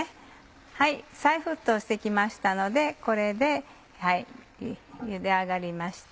再沸騰して来ましたのでこれで茹で上がりました。